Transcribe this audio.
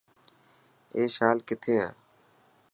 اي شال ڪٿي هي.